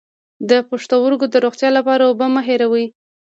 د پښتورګو د روغتیا لپاره اوبه مه هیروئ